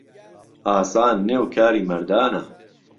ئاسان نێ و کاری مەردانە